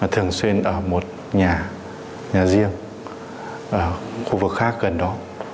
thường xuyên ở một nhà nhà riêng ở khu vực khác gần đó